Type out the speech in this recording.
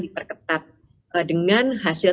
diperketat dengan hasil